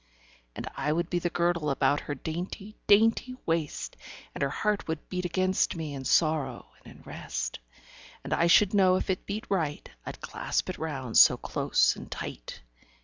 And I would be the girdle About her dainty dainty waist, And her heart would beat against me, In sorrow and in rest: 10 And I should know if it beat right, I'd clasp it round so close and tight.